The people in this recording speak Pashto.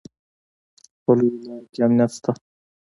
په لویو لارو کې امنیت شته